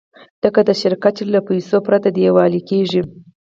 لکه د شرکت چې له پیسو پرته ډیوالي کېږي.